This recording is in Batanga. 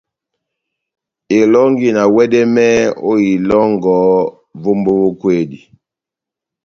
Elɔ́ngi na wɛdɛmɛhɛ ó ilɔ́ngɔ vómbo vó kwedi.